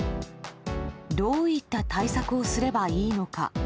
どういった対策をすればいいのか。